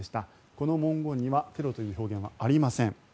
この文言にはテロという表現はありません。